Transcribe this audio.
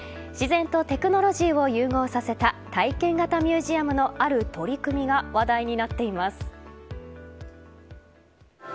自然とテクノロジーを融合させた体験型ミュージアムのある取り組みが話題になっています。